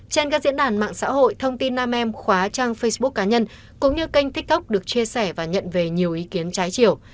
trên các diễn đàn mạng xã hội thông tin nam em khóa trang facebook cá nhân cũng như kênh tiktok được chia sẻ và nhận về nhiều ý kiến trái chiều